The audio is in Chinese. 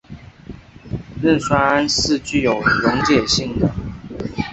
壬酸铵是具有溶解性的。